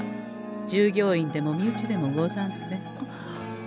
従業員でも身内でもござんせん。